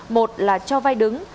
một là cho vay đứng